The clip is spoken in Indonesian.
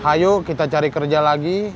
ayo kita cari kerja lagi